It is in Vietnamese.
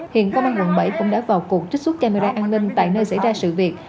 hiện công an quận bảy cũng đã vào cuộc trích xuất camera an ninh tại nơi xảy ra sự việc